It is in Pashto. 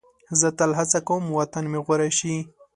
زه تل هڅه کوم وطن مې غوره شي.